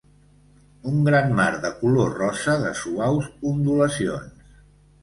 Un gran mar de color rosa, de suaus ondulacions.